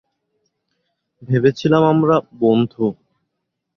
ভেবেছিলাম আমরা বন্ধু।